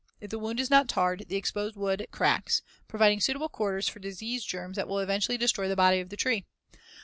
If the wound is not tarred, the exposed wood cracks, as in Fig. 115, providing suitable quarters for disease germs that will eventually destroy the body of the tree.